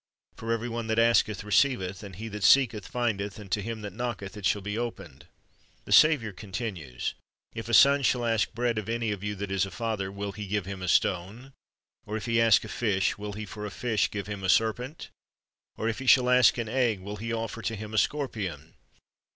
For every one that asketh receiveth; and he that seeketh findeth; and to him that knocketh it shall be opened." The Saviour continues: 'Tf a son shall ask bread of any of you that is a father, will he give him a stone? or if he ask a fish, will he for a fish give him a serpent? or if he shall ask an egg, will he offer him a scorpion?